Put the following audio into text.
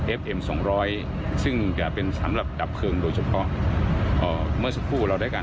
เอ็มสองร้อยซึ่งจะเป็นสำหรับดับเพลิงโดยเฉพาะเอ่อเมื่อสักครู่เราได้การ